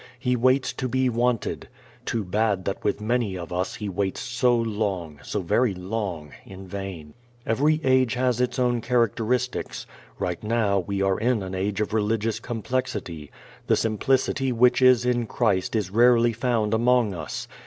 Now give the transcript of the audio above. He waits to be wanted. Too bad that with many of us He waits so long, so very long, in vain. Every age has its own characteristics. Right now we are in an age of religious complexity. The simplicity which is in Christ is rarely found among us.